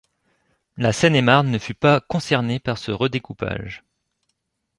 La Seine-et-Marne ne fut pas concernée par ce redécoupage.